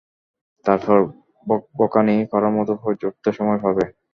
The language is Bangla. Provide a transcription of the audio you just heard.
তারপর বকবকানি করার মতো পর্যাপ্ত সময় পাবে।